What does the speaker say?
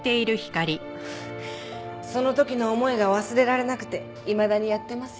その時の思いが忘れられなくていまだにやってますよこんな事。